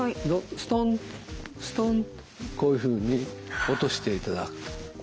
ストンストンとこういうふうに落としていただくと。